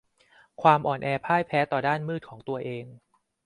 ความอ่อนแอพ่ายแพ้ต่อด้านมืดของตัวเอง